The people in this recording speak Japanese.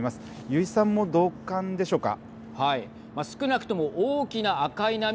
油井さんも同感でしょうか。